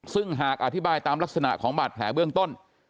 ซึ่งหากอธิบายตามลักษณะของบาดแผลเบื้องต้น